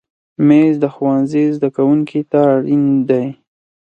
مېز د ښوونځي زده کوونکي ته اړین دی.